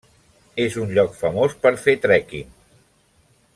És un lloc famós per fer trekking.